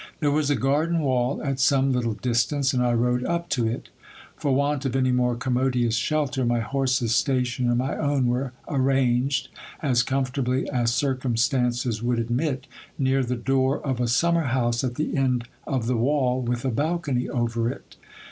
There was a garden wall at some little distance, and I rode up to it For want of any more commodious shelter, my horse's station and my own were arranged, as comfortably as cir cumstances would admit near the door of a summer house at the end of the will, with a balcony over it.